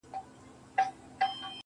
خو په ژبه په پوښاک دي برسېرنې